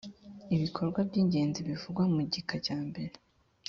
ibikorwa by igenzi bivugwa mu gika cyambere